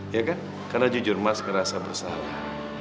ya kan karena jujur mas ngerasa bersalah